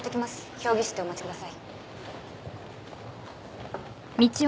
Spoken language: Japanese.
評議室でお待ちください。